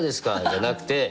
じゃなくて。